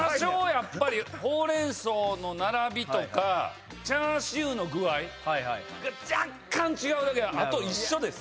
ホウレンソウの並びとかチャーシューの具合が若干違うだけであと一緒です。